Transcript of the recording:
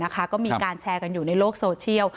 ก็มีการแชร์กันอยู่ในโลกโซเชียล